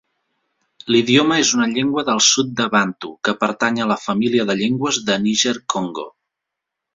L'idioma és una llengua del sud de Bantu que pertany a la família de llengües de Níger-Congo.